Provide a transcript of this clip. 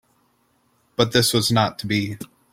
But this was not to be.